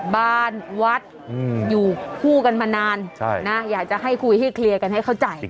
บ้านวัดอยู่คู่กันมานานอยากจะให้คุยให้เคลียร์กันให้เข้าใจ